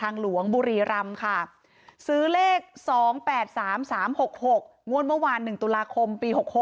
๒๘๓๓๖๖งวลเมื่อวาน๑ตุลาคมปี๖๖